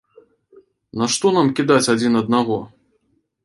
Нашто нам кідаць адзін аднаго?